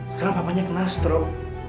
sekarang papanya kena strok